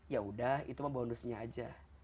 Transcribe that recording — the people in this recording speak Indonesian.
ya udah itu mah bonusnya aja